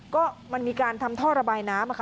ก็มันมีการทำท่อระบายน้ำค่ะ